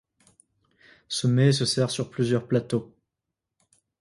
Ce mets se sert sur plusieurs plateaux.